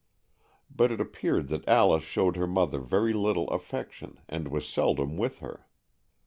But it appeared that Alice showed her mother very little affection, and was seldom with her.